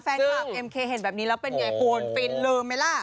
แฟนคลับเอ็มเคเห็นแบบนี้แล้วเป็นไงคุณฟินลืมไหมล่ะ